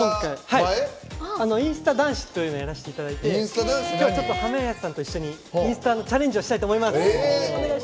インスタ男子というのをやらせていただいて今日は、濱家さんと一緒にインスタのチャレンジをしたいと思います。